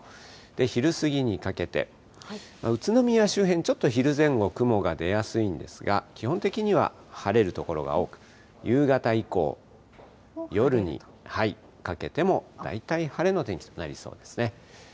昼過ぎにかけて、宇都宮周辺、ちょっと昼前後、雲が出やすいんですが、基本的には晴れる所が多く、夕方以降、夜にかけても、大体晴れの天気となりそうですね。